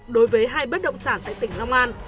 đối với hai bất động sản tại tỉnh long an